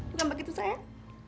bukan begitu sayang